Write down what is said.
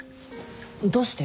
どうして？